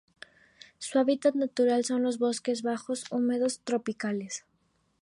Su hábitat natural son los bosques bajos húmedos tropicales.